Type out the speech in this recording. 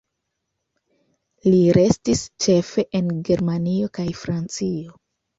Li restis ĉefe en Germanio kaj Francio.